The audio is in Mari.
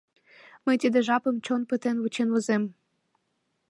Мый тиде жапым чон пытен вучен возем.